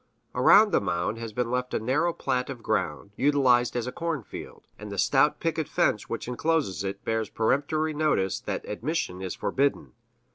Around the mound has been left a narrow plat of ground, utilized as a cornfield; and the stout picket fence which encloses it bears peremptory notice that admission is forbidden.